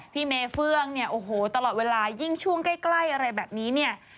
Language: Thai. พี่เมเฟื่องเนี่ยโอ้โหตลอดเวลายิ่งช่วงใกล้อะไรแบบนี้เนี่ย